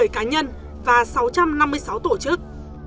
bảy trăm một mươi cá nhân và sáu trăm năm mươi sáu tổ chức